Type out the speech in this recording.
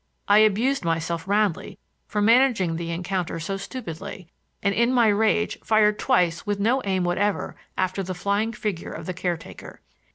I abused myself roundly for managing the encounter so stupidly, and in my rage fired twice with no aim whatever after the flying figure of the caretaker.